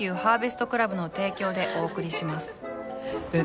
えっ？